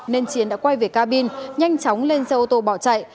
nên chiến đã quay về cabin nhanh chóng lên xe ô tô bỏ chạy